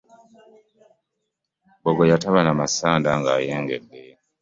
Bogoya taba na masanda ng'ayengedde.